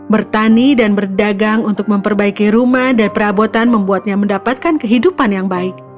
bertani dan berdagang untuk memperbaiki rumah dan perabotan membuatnya mendapatkan kehidupan yang baik